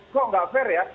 kok nggak fair ya